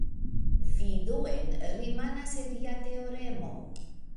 Vidu en "rimana seria teoremo".